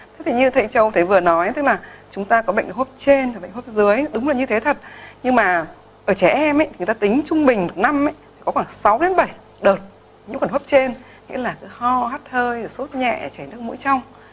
thế thì như thầy châu thầy vừa nói chúng ta có bệnh hốp trên bệnh hốp dưới đúng là như thế thật nhưng mà ở trẻ em thì chúng ta tính trung bình một năm thì có khoảng sáu bảy đợt những bệnh hốp trên nghĩa là ho hắt hơi sốt nhẹ chảy nước mũi trong